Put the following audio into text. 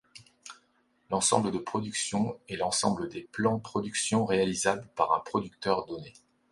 L'ensemble de production est l'ensemble des plans de productions réalisables par un producteur donné.